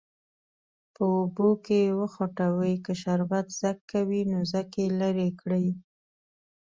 په اوبو کې وخوټوئ که شربت ځګ کوي نو ځګ یې لرې کړئ.